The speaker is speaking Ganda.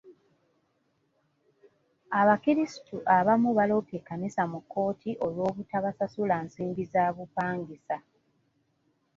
Abakrisitu abamu baloopye ekkanisa mu kkooti olw'obutabasasula nsimbi za bupangisa.